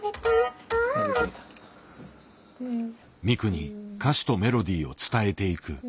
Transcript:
ミクに歌詞とメロディーを伝えていく。